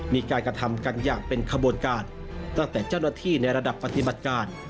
มีการกระทำกันอย่างเป็นขบวนการตั้งแต่เจ้าหน้าที่ในระดับปฏิบัติการ